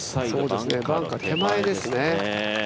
バンカー手前ですね。